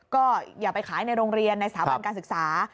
ก็อย่าไปขายในโรงเรียนในสถาบันการศึกษา